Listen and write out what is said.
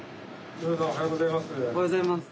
木村さんおはようございます。